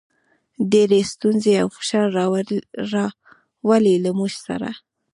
ډېرې ستونزې او فشار راولي، له موږ سره.